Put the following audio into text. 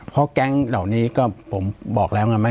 ปากกับภาคภูมิ